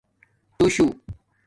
توشُو